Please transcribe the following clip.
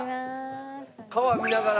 川見ながら。